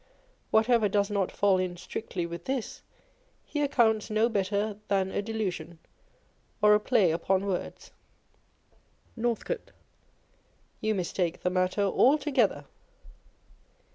Whatever does not fall in strictly with this, he accounts no better than a delusion, or a play upon words. Northcote. You mistake the matter altogether.